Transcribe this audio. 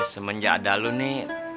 semenjak dahulu nih